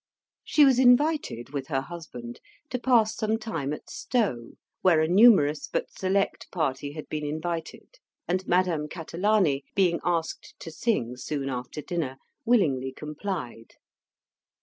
She was invited, with her husband, to pass some time at Stowe, where a numerous but select party had been invited; and Madame Catalani, being asked to sing soon after dinner, willingly complied.